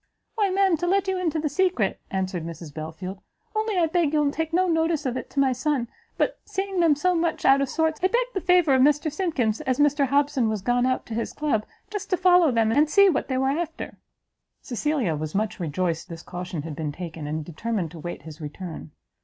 "Why, ma'am, to let you into the secret," answered Mrs Belfield, "only I beg you'll take no notice of it to my son, but, seeing them so much out of sorts, I begged the favour of Mr Simkins, as Mr Hobson was gone out to his club, just to follow them, and see what they were after." Cecilia was much rejoiced this caution had been taken, and determined to wait his return.